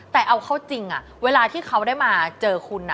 แต่เอาเข้าจริงเวลาที่เขาได้มาเจอคุณ